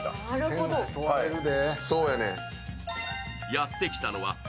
センス問われるで。